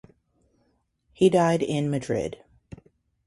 He died in Madrid.